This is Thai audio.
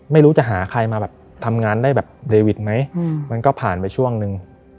ไม่รู้จะหาใครมาแบบทำงานได้แบบเดวิดไหมมันก็ผ่านไปช่วงนึง